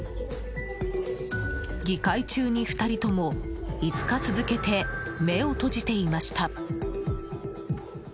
議会中に、２人とも５日続けて目を閉じていました。